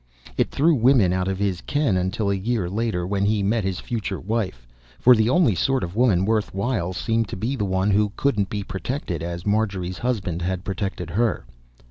It threw women out of his ken until a year later, when he met his future wife; for the only sort of woman worth while seemed to be the one who could be protected as Marjorie's husband had protected her.